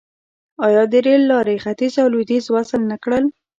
آیا د ریل لارې ختیځ او لویدیځ وصل نه کړل؟